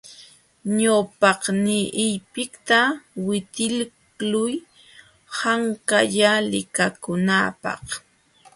Ñawpaqniiypiqta witiqluy hawkalla likakunaapaq.